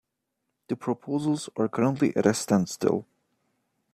The proposals are currently at a standstill.